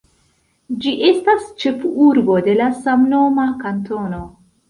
Ĝi estas ĉefurbo de la samnoma kantono.